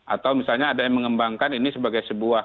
atau misalnya ada yang mengembangkan ini sebagai sebuah